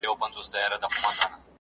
مکتب ته ورسېدو.